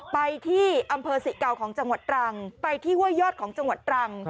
ไปที่อำเภอศรีเก่าของจังหวัดตรังไปที่ห้วยยอดของจังหวัดตรัง